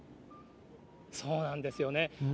そうなんですよね。